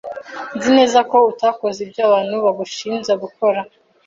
Nzi neza ko utakoze ibyo abantu bagushinja gukora.